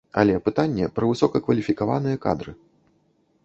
Але пытанне пра высокакваліфікаваныя кадры.